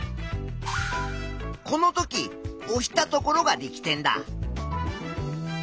このとき押したところが力点だ。